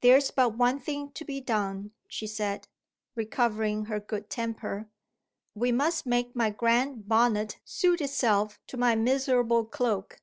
"There's but one thing to be done," she said, recovering her good temper; "we must make my grand bonnet suit itself to my miserable cloak.